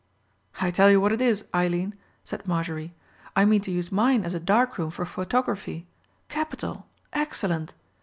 "I tell you what it is, Eileen," said Marjorie, "I mean to use mine as a dark room for photography—capital, excellent.